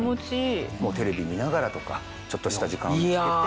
テレビ見ながらとかちょっとした時間を見つけて。